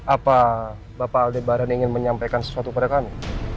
apa bapak aldi barang ingin menyampaikan sesuatu kepada kami